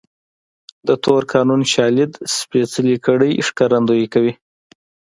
د تور قانون شالید سپېڅلې کړۍ ښکارندويي کوي.